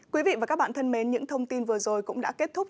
quý vị và các bạn thân mến những thông tin vừa rồi cũng đã kết thúc